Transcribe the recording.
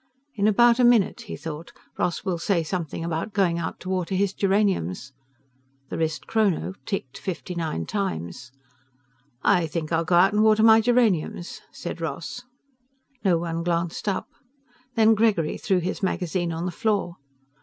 "In about a minute," he thought, "Ross will say something about going out to water his geraniums." The wristchrono ticked fifty nine times. "I think I'll go out and water my geraniums," said Ross. No one glanced up. Then Gregory threw his magazine on the floor.